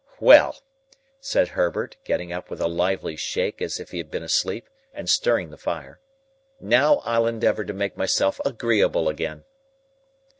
"Well!" said Herbert, getting up with a lively shake as if he had been asleep, and stirring the fire, "now I'll endeavour to make myself agreeable again!"